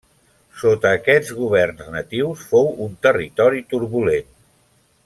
Sota aquests governs natius fou un territori turbulent.